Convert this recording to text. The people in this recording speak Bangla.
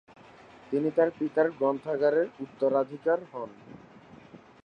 তিনি তার পিতার গ্রন্থাগারের উত্তরাধিকার হন।